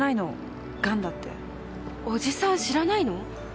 おじさん知らないの？